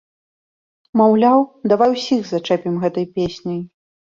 Маўляў, давай, усіх зачэпім гэтай песняй!